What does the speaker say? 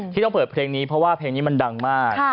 ที่ต้องเปิดเพลงนี้เพราะว่าเพลงนี้มันดังมาก